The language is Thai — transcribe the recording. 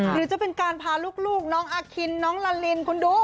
หรือจะเป็นการพาลูกน้องอาคินน้องลาลินคุณดู